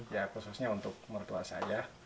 ya khususnya untuk mertua saya